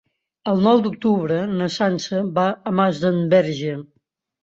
El nou d'octubre na Sança va a Masdenverge.